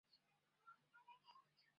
清朝雍正年间因人工围垦形成半岛。